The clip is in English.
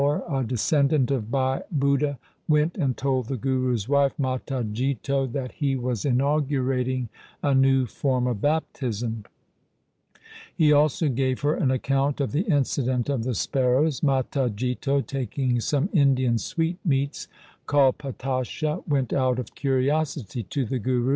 LIFE OF GURU GOBIND SINGH 95 Bhai Ram Kaur, a descendant of Bhai Budha, went and told the Guru's wife, Mata Jito, that he was inaugurating a new form of baptism. He also gave her an account of the incident of the sparrows. Mata Jito, taking some Indian sweetmeats called patasha, went out of curiosity to the Guru.